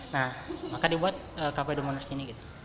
nah maka dibuat kafe the moners ini gitu